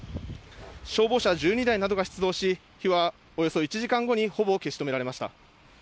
消防車１２台などが出動し、火はおよそ１時間後にほぼ消し止められました。